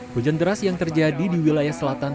hujan deras yang terjadi di wilayah selatan